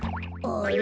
あれ？